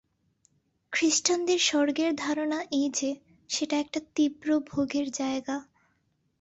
খ্রীষ্টানদের স্বর্গের ধারণা এই যে, সেটা একটা তীব্র ভোগের জায়গা।